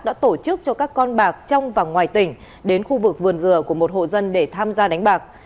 đã tổ chức cho các con bạc trong và ngoài tỉnh đến khu vực vườn dừa của một hộ dân để tham gia đánh bạc